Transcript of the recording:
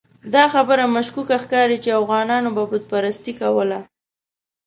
دا خبره مشکوکه ښکاري چې اوغانیانو به بت پرستي کوله.